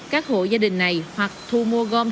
các hộ gia đình này hoặc thu mua gom